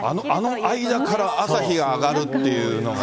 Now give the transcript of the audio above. あの間から朝日が上がるっていうのがね。